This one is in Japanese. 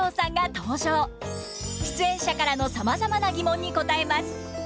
出演者からのさまざまなギモンに答えます。